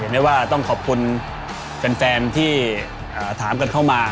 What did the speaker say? ด้วยนี้ว่าต้องขอบคุณเป็นแฟนที่ถามกันเข้ามา